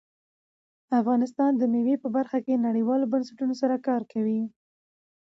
افغانستان د مېوې په برخه کې نړیوالو بنسټونو سره کار کوي.